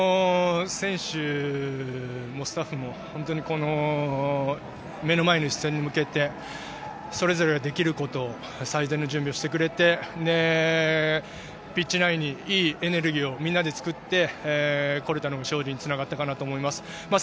選手もスタッフも本当に目の前の１勝に向けてそれぞれができることを最善の準備をしてくれてピッチ内にいいエネルギーをみんなで作ってこれたのも勝利につながったと思います。